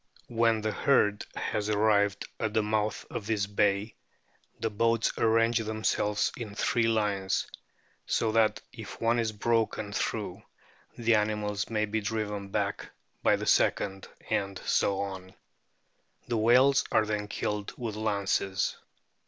When the herd has arrived j at the mouth of this bay the boats arrange themselves in three lines, so that if one is broken through the animals may be driven back by the second, and so on. The whales are then killed with lances.